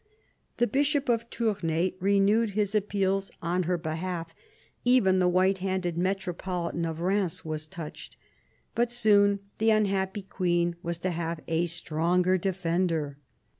The bishop of Tournai renewed his appeals on her behalf : even the white handed metropolitan of Eheims was touched. But soon the unhappy queen was to have a stronger defender.